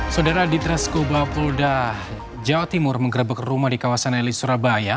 saudara ditreskoba polda jawa timur menggerebek rumah di kawasan eli surabaya